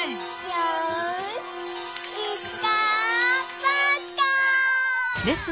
よし！